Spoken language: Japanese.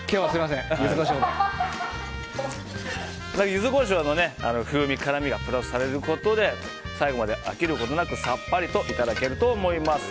ユズコショウの風味辛みがプラスされることで最後まで飽きることなくさっぱりといただけると思います。